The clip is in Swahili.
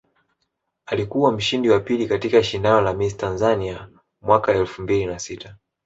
Alikuwa mshindi wa pili katika shindano la Miss Tanzania mwaka elfu mbili na sita